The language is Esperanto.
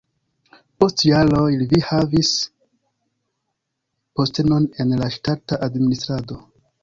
Post jaroj li havis postenon en la ŝtata administrado.